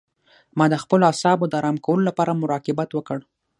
ما د خپلو اعصابو د آرام کولو لپاره مراقبت وکړ.